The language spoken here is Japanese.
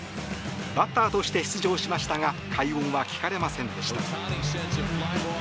バッターとして出場しましたが快音は聞かれませんでした。